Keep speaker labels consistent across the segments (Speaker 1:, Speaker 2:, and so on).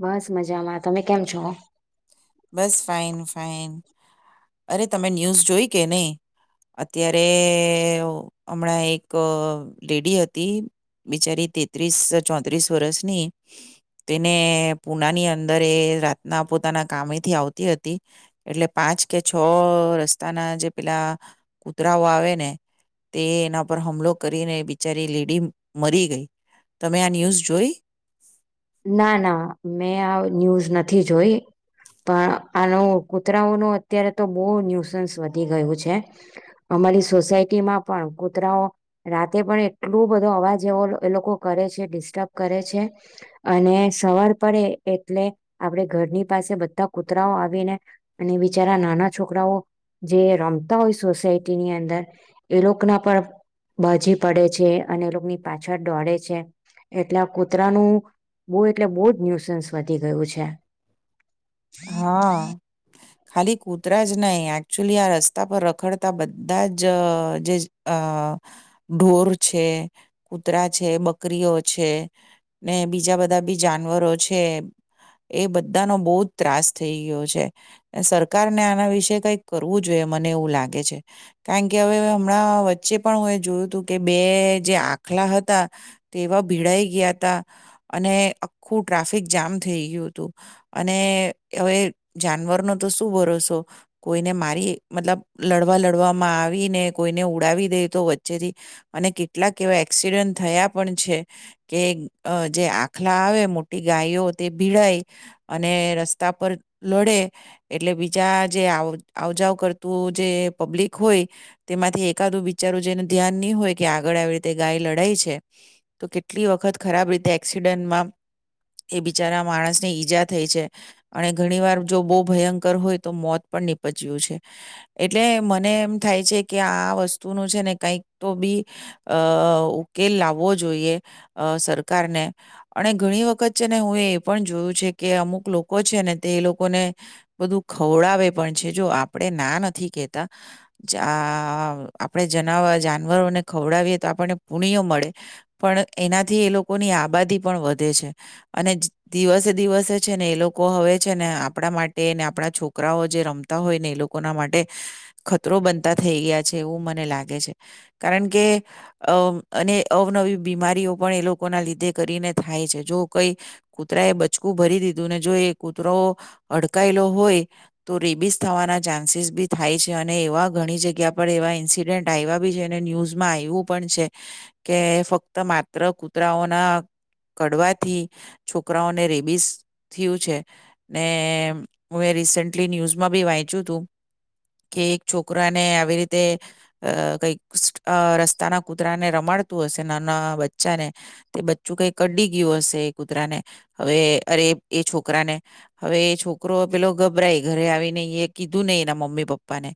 Speaker 1: બસ મજામાં તમે કેમ છો.
Speaker 2: બસ ફાઈન ફાઈન અરે તમે ન્યૂઝ જોઈ કે નઈ અત્યારે હમણાં એક લેડી હતી બિચારી તેત્રીસ ચોત્રીસ વર્ષની તેને પુનાની અંદર રાતના પોતાના. કમેથી આવતી હતી એટલે પાંચ કે છ રસ્તાના જે પેલા કુતરાઓ આવે ને તે એના પર હુમલો કરીને બિચારી લેડી મરી ગઈ તમે આ ન્યૂઝ જોઈ.
Speaker 1: ના ના મેં આ ન્યૂઝ નથી જોઈ પણ આનું કૂતરાઓ ન અત્યારે તો બહુ ન્યુસન્સ વધી ગયું છે, અમારી સોસાયટીમાં પણ કૂતરાઓ રાતે પણ [unintelligible] બધો અવા એવો એ લોકો કરે છે ડિસ્ટર્બ કરે છે. અને સવાર પડે એટલે આપણે ઘરની પાસે બધા કૂતરાઓ આવીને અને બિચારા નાના છોકરાઓ જે રમતા હોય સોસાયટીની અંદર એ લોકોના પર બાજી પડે છે અને એ લોકોની પાછળ દોળે છે, એટલે આ કૂતરાનું. બહુ એટલે બહુ જ ન્યુસન્સ વધી ગયું છે.
Speaker 2: હા.
Speaker 1: [unintelligible]
Speaker 2: ખાલી કૂતરા જ નહીં એકચુલી આ રસ્તા પર રખડતા બધા જ જે ઢોર છે, કૂતરા છે, બકરીઓ છે ને બીજા બધા બી જાનવરો છે એ બધાનો બો જ ત્રાસ થઈ ગયો છે. સરકારને આના વિશે કંઈક કરવું જોઈએ મને એવું લાગે છે કારણ કે હવે હમણાં વચ્ચે પણ હું એ જોયું હતું કે બે જે આખલા હતા તેવા ભીડાઈ ગયા હતા અને આખું ટ્રાફિક જામ થઈ ગયું હતું અને હવે જાનવરનો તો શું ભરોસો કોઈને મારી મતલબ લડવા લડવામાં આવી ને કોઈને ઉડાવી દે તો વચ્ચેથી અને કેટલાક એવા એક્સિડન્ટ થયા પણ છે કે જે આખલા આવે મોટી ગાયો તે ભીડાય અને રસ રસતા પર લડે એટલે બીજા જે આવજાવ કરતું જે પબ્લિક હોય તેમાંથી એકાદું બિચારું જેને ધ્યાન નહી હોય કે આગળ આવી રીતે ગાય લડાય છે તો કેટલી વખત ખરાબ રીતે એક્સિડન્ટમાં એ બિચારા માણસ ને ઈજા થઈ છે. અને ઘણી વાર જો બો ભયંકર હોય તો મોત પણ નીપજય્યું છે એટલે મને એમ થાય છે કે આ વસ્તુનું છે ને કંઈક તો બી અ ઉકેલ લાવવો જોઈએ સરકારને અને ઘણી વખત છે ને હું એ પણ જોયું છે કે અમુક લોકો લોકો છે ને તે એ લોકોને બધું ખવડાવે પણ છે. જો આપણે ના નથી કેહેતા આપણે જ જાનવરોને ખવડાવીએ તો આપણને પુણ્ય મળે પણ એનાથી એ લોકોની આબાદી પણ વધે છે અને દિવસે દિવસે છે ને એ લોક લોકો હવે છે ને આપણા માટે ને આપણા છોકરાઓ જે રમતા હોય ને એ લોકોના માટે ખતરો બનતા થઈ ગયા છે. એવું મને લાગે છે કારણ કે અ અને અવનવી બીમારીઓ પણ એ લોકો ના લીધે કરીને થાય છે. જો કઈ કૂતરા એ બચકું ભરી દીધું ને જો એ કૂતરો અડકાયેલો હોય તો રેબીસ થવાના ચાન્સીસ બી થાય છે અને એવા ઘણી જગ્યા પર એવા ઇન્સિડન્ટ આયવા બી છેને ન્યૂઝમાં આવ્યું પણ છે કે ફક્ત માત્ર કૂતરાઓના કડવાથી છોકરાઓને રેબીસ. થીયું છે ને હું રિસેન્ટલી ન્યૂઝમાં બી વાંચ્યું તું કે એક છોકરાને આવી રીતે કઈક રસ્તાના કૂતરાને રમાડતું હશે નાના બચ્ચાને તે બચ્ચું કઈક કડી ગયું હશે એ કૂતરાને હવે અરે એ છોકરાને હવે એ છોકરો પેલો ગભરાય ઘરે આવીને એ કીધું નય એના મમ્મી પપ્પાને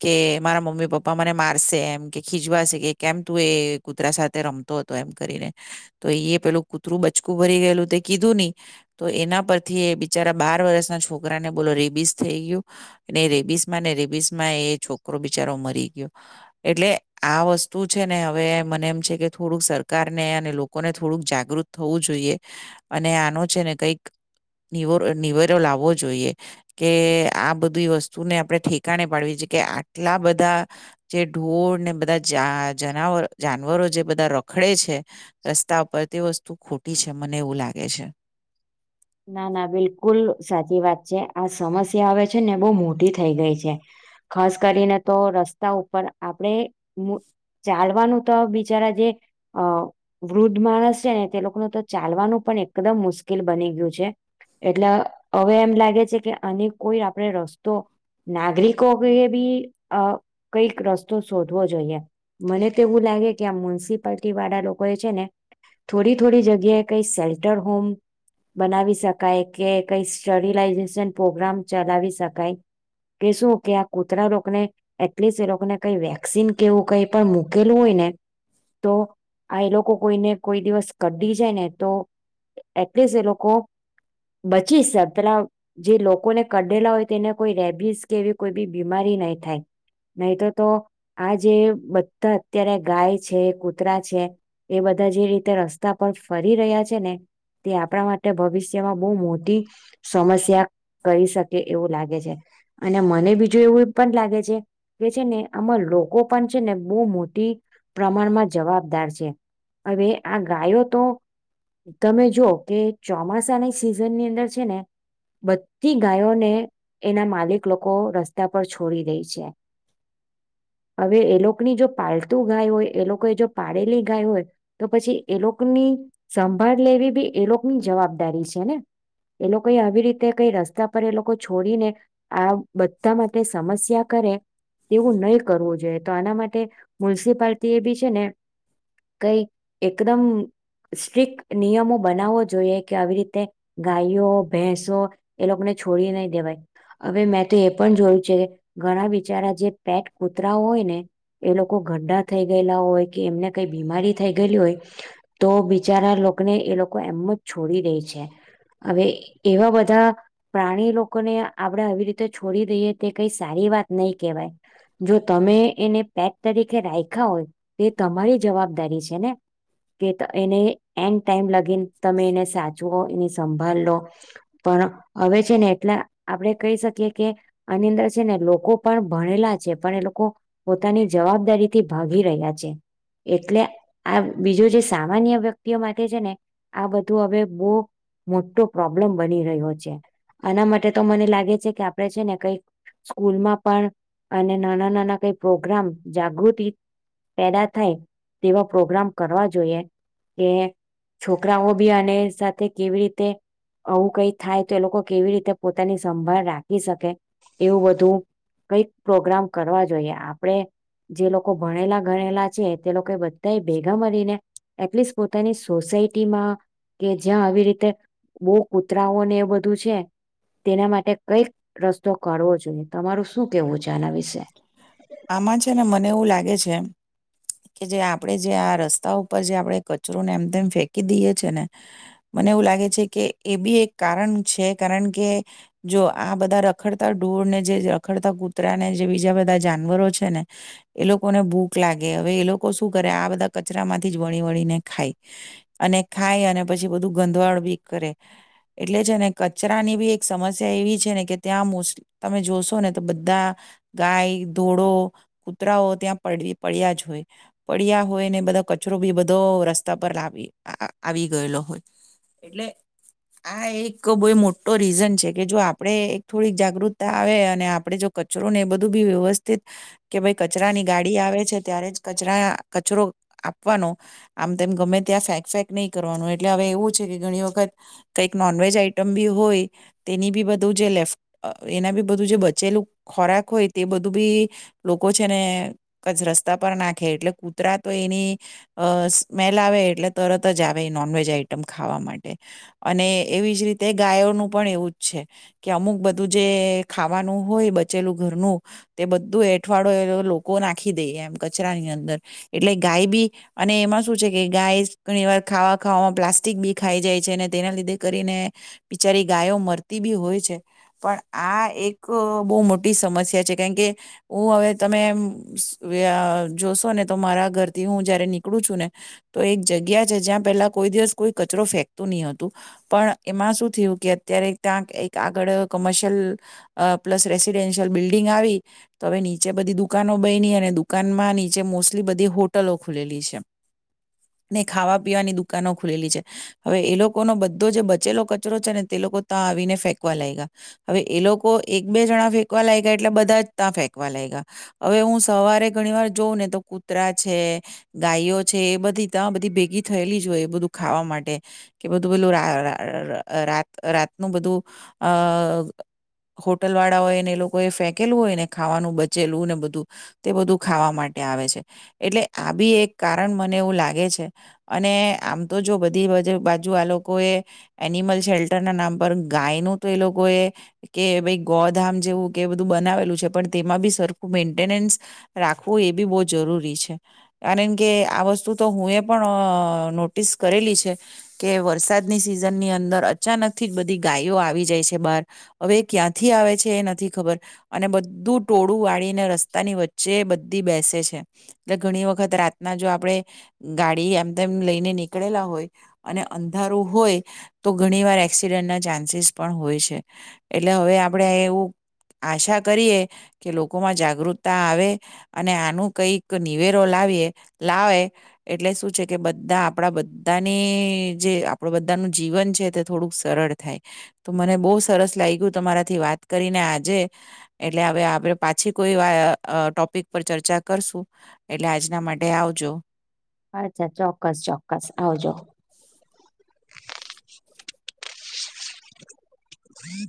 Speaker 2: કે મારા મમ્મી પપ્પા મને મારસે એમ કે ખીજવાશે કે કેમ તું એ કૂતરા સાથે રમતો હતો એમ કરીને તો એ પેલું કૂતરું બચકું ભરી ગયેલું તે કીધું નહી તો એના પર થી બિચારા બાર વર્ષના છોકરા ને બોલો રેબીસ થઈ ગયું એ રેબીસ માં ને રેબીસ માં એ છોકરો બિચારો મરી ગયો એટલે આ વસ્તુ છે ને હવે મને એમ છે કે થોડુંક સરકારને અને લોકોને થોડુંક જાગૃત થવું જોઈએ અને આનો છે ને કઈક નિવ નિવેરો લાવવો જોઈએ કે આ બધી વસ્તુને આપણે ઠેકાણે પાડવી કે આટલા બધા જે ઢોળ ને બધા જવ જાનવરો જે બધા રખડે છે રસ્તા પર તે વસ્તુ વસ્તુ ખોટી છે મને એવું લાગે છે.
Speaker 1: ના ના બિલકુલ સાચી વાત છે. આ સમસ્યા અવે છે ને બહુ મોટી થઈ ગઈ છે. ખાસ કરીને તો રસ્તા ઉપર આપડે ચાલવાનું તો બિચારા જે વૃદ્ધ માણસ છે ને તે લોકોનું તો ચાલવાનું પણ એકદમ મુશ્કેલ બની ગયું. છે એટલે હવે એમ લાગે છે કે અને કોઈ આપણે રસ્તો નાગરિકો એ બી કઈક રસ્તો શોધવો જોઈએ. મને તો એવું લાગે કે આ મ્યુનિસિપાલટી વાળા લોકો એ છે ને થોડી થોડી જગ્યાએ કઈ સેલ્ટર હોમ બનાવી શકાય કે કઈ સ્ટરિલાઈઝેશન પ્રોગ્રામ ચલાવી શકાય કે શું કે આ કૂતરા લોકોને એટલીસ્ટ એ લોકોને કઈ વેક્સિન કેવું કઈ પણ મૂકેલું હોય ને તો આ એ લોકો કોઈને કોઈ દિવસ કડી જાય ને તો એટલીસ્ટ એ લોકો લોકો બચી પેલા જે લોકોને કડેલા હોય તેને કોઈ રેબીસ કે એવી કોઈ બી બીમારી નહી થાય નહી તો તો આ જે બધા અત્યારે ગાય છે કૂતરા છે એ બધા જે રીતે રસ્તા પર ફરી રહ્યા છે ને તે આપણા મા ભવિષ્યમાં બહુ મોટી સમસ્યા કરી શકે એવું લાગે છે અને મને બીજું એવું પણ લાગે છે કે છે ને આમાં લોકો પણ છે ને બો મોટી પ્રમાણમાં જવાબદાર છે હવે આ ગાયો તો તમે જો કે ચોમાસાની સિઝન ની અંદર છે ને બધી ગાયોને એના માલિક લોકો રસ્તા પર છોડી દે છે. હવે એ લોકોની જો પાલતું ગાય હોય એ લોકો જો પાળેલી ગાય હોય તો પછી એ લોકોની સંભાળ લેવી બી એ લોકો ની જવાબદારી છે ને એ લોકો આવી રીતે કઈ રસ્તા પર એ લોકો છોડીને આ બધા માટે સમસ્યા કરે તેવું નહી કરવું જોઈએ તો આના માટે મ્યુનિસિપાલટી એ બી છે ને કઈ એકદમ સ્ટ્રીક નિયમો બનાવો. જોઈએ કે આવી રીતે ગાયો, ભેંસો એ લોકોને છોડી નહી દેવાય. હવે મેં તો એ પણ જોયું છે કે ઘણા બિચારા જે પેટ કૂતરા હોય ને એ લોકો ગરડા થઈ ગયેલા હોય કે એમને કઈ બીમારી થઈ ગયેલી હોય તો બિચારા લોકોને એ લોકો એમ છોડી દે છે. હવે એવા બધા પ્રાણી લોકોને આપણેે આવી રીતે છોડી દઈએ તે કઈ સારી વાત નહી કહેવાય જો તમે એને પેટ તરીકે રાખ્યા હોય તો તમારી જવાબદારી છે ને કે એને એન ટાઈમ લગી. તમે એને સાચવો. વો એની સંભાળ લો પણ હવે છે ને એટલા આપડે કહી શકીએ કે આની અંદર છે ને લોકો પણ ભણેલા છે પણ એ લોકો પોતાની જવાબદારી થી ભાગી રહ્યા છે એટલે આ બીજું જે સામાન્ય વ્યક્તિઓ માટે છે ને આ બધું હવે બો મોટો પ્રોબ્લમ બની રહ્યો છે આના માટે તો મને લાગે છે કે આપણે છે ને કઈ સ્કૂલમાં પણ અને નાના નાના કઈ પ્રોગ્રામ જાગૃતિ પેદા થાય તેવા પ્રોગ્રામ કરવા જોઈએ કે છોક છોકરાઓ બી અને સાથે કેવી રીતે આવું કઈક થાય તો એ લોકો કેવી રીતે પોતાની સંભાળ રાખી શકે એવું બધું કઈક પ્રોગ્રામ કરવા જોઈએ. આપણેે જે લોકો ભણેલા ગણેલા છે તે લોકો કય ભેગા મળીને એટલીસ્ટ પોતાની સોસાયટી માં કે જ્યાં આવી રીતે બો કુતરા ઓ ને એવુ બધું છે તેના માટે કઈક રસ્તો કરવો જોઈએ. તમારું શું કેવું છે. આના વિશે
Speaker 2: આમાં છે ને મને એવું લાગે છે કે જે આપણેે જે આ રસ્તા ઉપર જે આપણે કચરોને એમ તેમ ફેકી દઈએ છે ને મને એવું લાગે છે કે એ બી એક કારણ છે કારણ કે જો આ બધા રખડતા ઢોળ ને જે રખડતા કૂતરા ને બીજા બધા જાનવરો છે ને એ લોકોને ભૂખ લાગે. હવે એ લોકો શું કરે આ બધા કચરા માંથી જ વણી વણીને ખાય અને ખાય અને પછી બધું ગંધવાળ બી કરે એટલે છે ને કચરા ની બી એક સમસ્યા એવી છે ને કે ત્યાં મોસ્ટલી તમે જોશો ને તો બધા ગાય, ઢોરો, કૂતરાઓ ત્યાં પડવી પડ્યા જ હોય પડ્યા હોય ને બધા કચરો બી બધો રસ્તા પર લાવી આવી ગયેલો હોય એટલે આ એક બ મોટો રીઝન છે કે જો આપણેે એક થોડીક જાગૃતતા આવે અને આપડે જો કચરો ને બધૂ વ્યવસ્થિત કે ભાઈ કચરાની ગાડી આવે છે ત્યારે જ કચરા કચરો આપવાનો આમ તેમ ગમે ત્યાં ફેંક ફેંક નહી કરવાનું એટલે હવે એવું છે કે ઘણી વખત કઈક નોનવેજ આઈટમ બી હોય તેની બી બધું જે લેફ એના બી બધું જે બચેલું ખોરાક હોય તે બધું બી લોકો છે ને કય રસ્તા પર નાખે એટલે કૂતરા તો એની સ્મેલ આવે એટલે તરત જ આવે નોનવેજ આઈટમ ખાવા માટે અને એવી જ રીતે ગાયોનું પણ એવું જ છે કે અમુક બધું જે ખાવાનું હોય બચેલું ઘરનું તે બધું એઠવાડો એ લોકો નાખી દે એમ કચરા ની અંદર એટલે ગાય બી અને એમાં શું છે કે ગાય ઘણી વાર ખાવા ખામાં પ્લાસ્ટિક બી ખાઈ જાય છે અને તેના લીધે કરીને બિચારી ગાયો મરતી બી હોય છે પણ આ એક બો મોટી સમસ્યા છે. કેમકે હું હવે તમેસ અહ જોશો ને તો મારા ઘરથી હું જયારે નીકળું છું ને, તો એક જગ્યા છે જ્યાં પેલા કોઈ દિવસ કોઈ કચરો ફેંકતું નહી હતું, પણ એમાં શું થયું કે અત્યારે ત્યાં એક આગળ commercial uh plus residential building આવી તો હવે નીચે બધી દુકાનો બયની અને દુકાનમાં નીચે મોસ્ટલી બધી હોટલો ખુલેલી છે, ને ખાવા પીવાની દુકાનો ખુલેલી છે. હવે એ લોકોનો બધો જે બચેલો કચરો છે ને તે લોકો તા આવીને ફેંકવા લાગ્યા. હવે એ લોકો એક બે જણા ફેંકવા લાગ્યા એટલે બધા જ તા ફેકવા લાગ્યા. હવે હું સવારે ઘણી વાર જોઉં ને તો કૂતરા છે, ગાયો છે એ બધી તા બધી ભેગી થયેલી જ હોય એ બધું ખાવા માટે, કે બધું-બધું ર અહ રાત-રાતનું બધું અહ હોટલ વાળા હોય ને એ લોકો એ ફેંકેલું હોય ને ખાવાનું બચેલું ને બધું, તે બધું ખાવા માટે આવે છે. એટલે આ બી એક કારણ મને એવું લાગે છે અને આમ તો જો બધી બજ બાજુ આ લોકો એ એનિમલ શેલ્ટર ના નામ પર ગાયનું તો એ લોકોએ કે ભઈ ગોધામ જેવું કે બધું બનાવેલું છે. પણ તેમાં બી સરખું મેન્ટેનન્સ રાખવું એ બી બહુ જરૂરી છે. કારણ કે આ વસ્તુ તો હું એ પણ અહ નોટિસ કરેલી છે કે વરસાદની સિઝનની અંદર અચાનકથી જ બધી ગાયો આવી જાય છે બહાર. હવે એ ક્યાંથી આવે છે એ નથી ખબર અને બધ ધું ટોળું વાળીન ને રસ્તાની વચ્ચે બધ ધી બેસે છે. એટલે ઘણી વખત રાતના જો આપડે ગાડી એમ તેમ લઈને નીકળેલા હોય અને અંધારું હોય તો ઘણી વાર એક્સિડન્ટના ચાન્સીસ પણ હોય છે. એટલે હવે આપણેે એવું આશા કરીએ કે લોકોમાં જાગૃતતા આવે અને આનું કઈક નિવેરો લાવીએ લાવે, એટલે શું છે કે બધા આપણા બધાની જે આપડું બધાનું જીવન છે તે થોડુંક સરળ થાય. તો મને બહુ સરસ લાગ્યું તમારાથી વાત કરીને આજે એટ ટલે હવે આપણે પાછી કોઈ વા અહ ટોપિક પર ચર્ચા કરશું, એટલે આજ
Speaker 1: અચ્છા ચોક્કસ-ચોક્કસ આવજો. હમ.